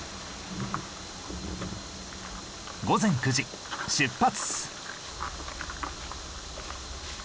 午前９時出発！